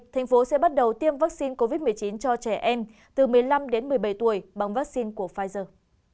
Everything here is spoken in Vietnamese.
thành phố sẽ bắt đầu tiêm vaccine covid một mươi chín cho trẻ em từ một mươi năm đến một mươi bảy tuổi bằng vaccine của pfizer